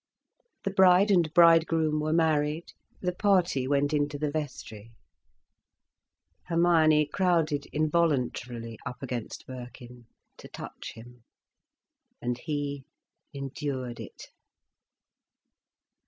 The bride and bridegroom were married, the party went into the vestry. Hermione crowded involuntarily up against Birkin, to touch him. And he endured it.